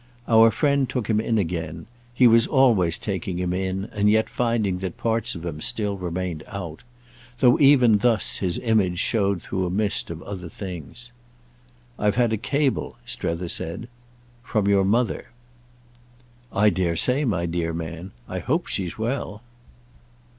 Our friend took him in again—he was always taking him in and yet finding that parts of him still remained out; though even thus his image showed through a mist of other things. "I've had a cable," Strether said, "from your mother." "I dare say, my dear man. I hope she's well."